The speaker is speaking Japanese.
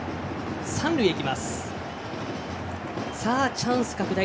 チャンス拡大。